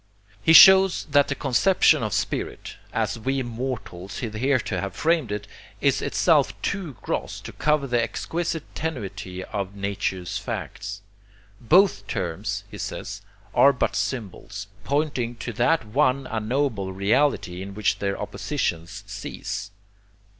He shows that the conception of spirit, as we mortals hitherto have framed it, is itself too gross to cover the exquisite tenuity of nature's facts. Both terms, he says, are but symbols, pointing to that one unknowable reality in which their oppositions cease.